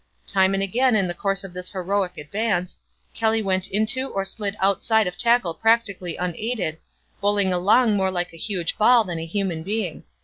"Time and again in the course of this heroic advance, Kelly went into or slid outside of tackle practically unaided, bowling along more like a huge ball than a human being.